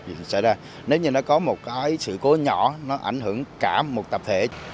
thì xảy ra nếu như nó có một cái sự cố nhỏ nó ảnh hưởng cả một tập thể